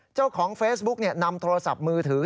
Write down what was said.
เจ้าของเฟซบุ๊กนำโทรศัพท์มือถือ